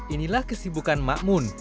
inilah kesibukan makmun